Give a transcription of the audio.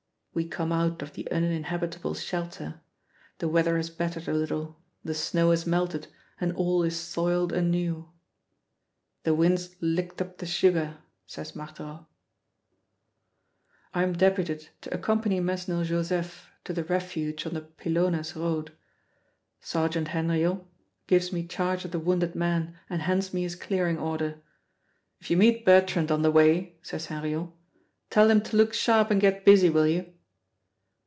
We come out of the uninhabitable shelter; the weather has bettered a little; the snow has melted, and all is soiled anew. "The wind's licked up the sugar," says Marthereau. I am deputed to accompany Mesnil Joseph to the refuge on the Pylones road. Sergeant Henriot gives me charge of the wounded man and hands me his clearing order. "If you meet Bertrand on the way," says Henriot, "tell him to look sharp and get busy, will you?"